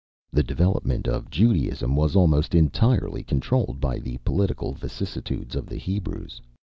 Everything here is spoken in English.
The development of Judaism was almost entirely controlled by the political vicissitudes of the Hebrews.